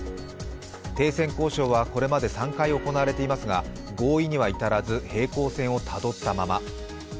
停戦交渉はこれまで３回行われていますが、合意には至らず平行線をたどったまま。